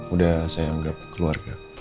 udah saya anggap keluarga